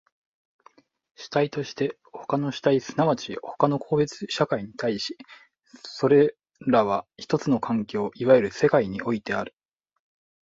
主体として他の主体即ち他の個別的社会に対し、それらは一つの環境、いわゆる世界においてある。